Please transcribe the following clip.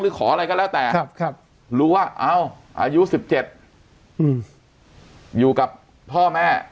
หรือขออะไรก็แล้วแต่ครับครับรู้ว่าเอาอายุ๑๗อยู่กับพ่อแม่